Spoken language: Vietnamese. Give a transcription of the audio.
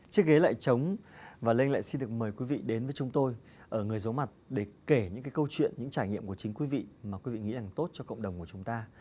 chiếc ghế lại trống và lênh lại xin được mời quý vị đến với chúng tôi ở người dấu mặt để kể những câu chuyện những trải nghiệm của chính quý vị mà quý vị nghĩ là tốt cho cộng đồng của chúng ta